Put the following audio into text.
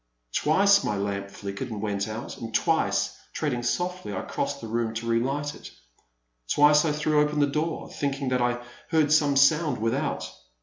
Twice my lamp flickered and went out, and twice, treading softly, I crossed the room to re light it. Twice I threw open the door, thinking that I heard some sound without.